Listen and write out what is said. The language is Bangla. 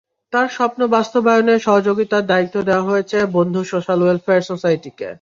তাঁর স্বপ্ন বাস্তবায়নে সহযোগিতার দায়িত্ব দেওয়া হয়েছে বন্ধু সোশ্যাল ওয়েলফেয়ার সোসাইটিকে।